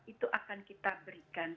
itu akan kita berikan